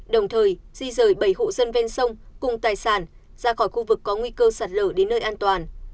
đồng thời di rời bảy hộ dân ven sông cùng tài sản ra khỏi khu vực có nguy cơ sạt lở đến nơi an toàn